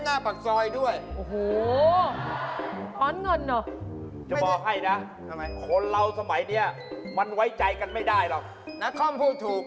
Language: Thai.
เธอบอกให้นะคนเราสมัยเนี่ยมันไว้ใจกันไม่ได้หรอกนาคมพูดถูก